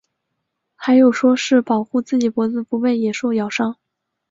还有说是保护自己脖子不被野兽咬伤。